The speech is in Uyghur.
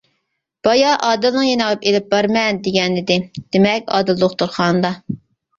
بايا ئادىلنىڭ يېنىغا ئېلىپ بارىمەن دېگەنىدى، دېمەك، ئادىل دوختۇرخانىدا.